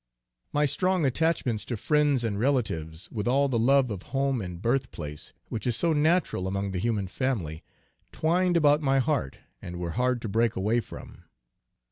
My strong attachments to friends and relatives, with all the love of home and birth place which is so natural among the human family, twined about my heart and were hard to break away from.